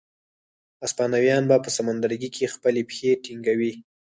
هسپانویان به په سمندرګي کې خپلې پښې ټینګوي.